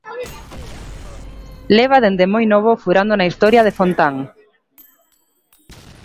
Leva dende moi novo furando na historia de Fontán.